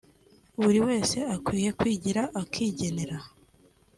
buri wese akwiye kwigira akigenera